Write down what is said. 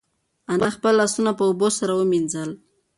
انا خپل لاسونه په اوبو سره ومینځل.